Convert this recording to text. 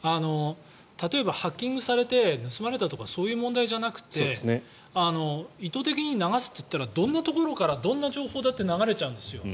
例えばハッキングされて盗まれたとかそういう問題じゃなくて意図的に流すといったらどんなところからどんな情報だって流れちゃうんですよ。